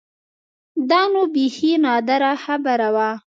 دا نو بيخي نادره خبره وه.